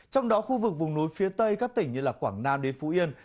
trong đó khu vực vùng núi phía tây các tỉnh như quảng nam đến phú yên